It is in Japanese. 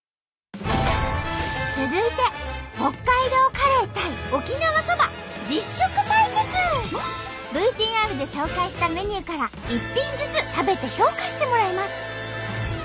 続いてＶＴＲで紹介したメニューから１品ずつ食べて評価してもらいます。